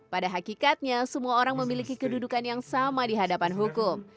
pada hakikatnya semua orang memiliki kedudukan yang sama di hadapan hukum